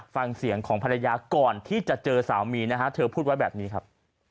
ฟังเสียงของภรรยาก่อนที่จะเจอสามีนะฮะเธอพูดไว้แบบนี้ครับ